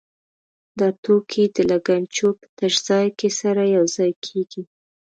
دا توکي د لګنچو په تش ځای کې سره یو ځای کېږي.